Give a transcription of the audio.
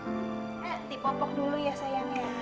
eh tito pok dulu ya sayang ya